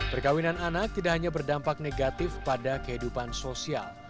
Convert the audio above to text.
perkawinan anak tidak hanya berdampak negatif pada kehidupan sosial